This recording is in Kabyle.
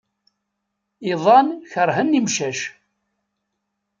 Iḍan keṛhen imcac.